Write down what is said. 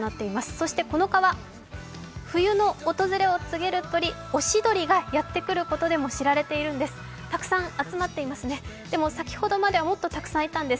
そして、この川、冬の訪れを告げる鳥、おしどりがやってくることでも知られているんです。